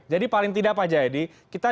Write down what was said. jadi paling tidak pak jadik kita